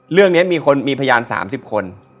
เรื่องเนี้ยมีคนมีพยานสามสิบคน